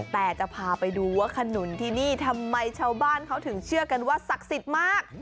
แต่จะพาไปดูว่าขนุนที่นี่ทำไมชาวบ้านเขาถึงเชื่อกันว่าศักดิ์สิทธิ์มาก